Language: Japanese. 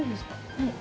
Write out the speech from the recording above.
はい。